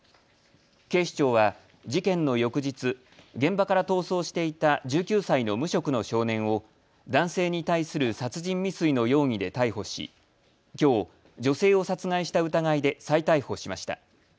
警視庁は事件の翌日、現場から逃走していた１９歳の無職の少年を男性に対する殺人未遂の容疑で逮捕しきょう、女性を殺害した疑いで再逮捕しました。